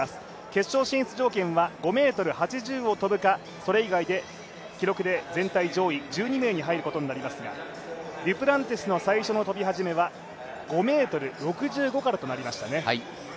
決勝進出条件は５ｍ８０を跳ぶかそれ以外で記録で全体上位１２名に入ることになりますがデュプランティスの最初の跳び始めは５ｍ６５からとなりましたね。